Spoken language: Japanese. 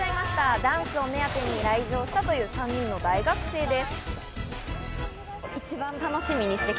ダンスを目当てに来場したという３人の大学生です。